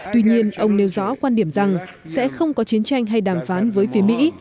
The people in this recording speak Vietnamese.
tuy nhiên ông nêu rõ quan điểm rằng sẽ không có chiến tranh hay đàm phán với phía mỹ